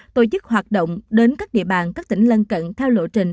tổ chức hoạt động đến các địa bàn các tỉnh lân cận theo lộ trình